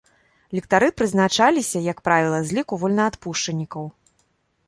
Ліктары прызначаліся, як правіла, з ліку вольнаадпушчанікаў.